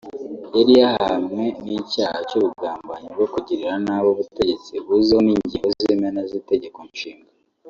yari yahamwe n’icyaha cy’ubugambanyi bwo kugiriranabi ubutegetsi buziho n’ingingo z’imena z’Itegeko Nshinga